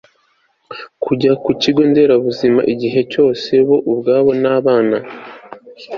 kujya ku kigo nderabuzima igihe cyose bo ubwabo n abana